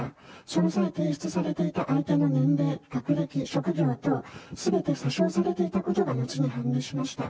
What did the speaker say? その際、提出されていた相手の年齢、学歴、職業等、すべて詐称されていたことが後に判明しました。